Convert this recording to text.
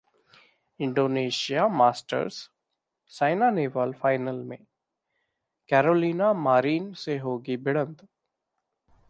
Indonesia Masters: Saina Nehwal final में, Carolina Marin से होगी भिड़ंत